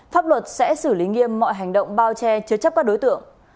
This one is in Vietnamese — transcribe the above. pháp luật sẽ xử lý nghiêm mọi hành động bao che chứa chấp các đối tượng